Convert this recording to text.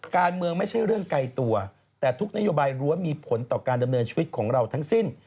ไม่ใช่เรื่องไกลตัวแต่ทุกนโยบายรั้วมีผลต่อการดำเนินชีวิตของเราทั้งสิ้น